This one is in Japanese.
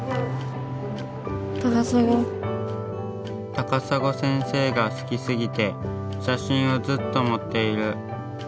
たかさご先生が好きすぎて写真をずっと持っている。